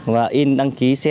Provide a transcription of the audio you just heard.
và in đăng ký xe